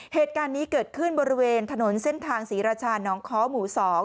เหตุการณ์นี้เกิดขึ้นบริเวณถนนเส้นทางศรีราชาน้องค้อหมู่๒